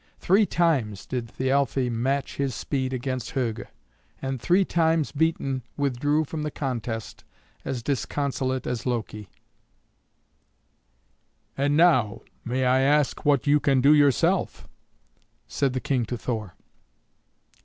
Three times did Thialfe match his speed against Hugr, and, three times beaten, withdrew from the contest as disconsolate as Loki. "And now may I ask what you can do yourself?" said the King to Thor.